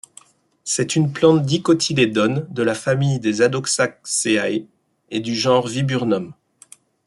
C’est une plante dicotylédone de la famille des adoxaceae et du genre Viburnum.